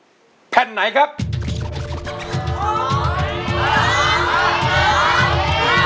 เป็นอินโทรเพลงที่๔มูลค่า๖๐๐๐๐บาท